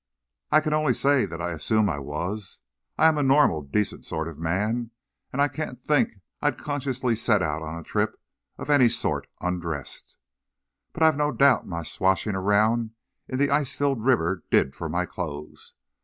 "I can only say that I assume I was. I'm a normal, decent sort of man, and I can't think I'd consciously set out on a trip of any sort undressed! But I've no doubt my swashing around in the ice filled river did for my clothes.